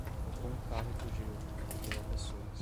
Roubou um carro e fugiu, atropelou pessoas